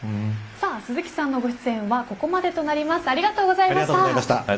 鈴木さんのご出演はここまでとなります。